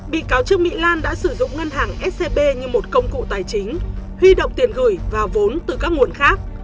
bị cáo trương mỹ lan đã sử dụng ngân hàng scb như một công cụ tài chính huy động tiền gửi và vốn từ các nguồn khác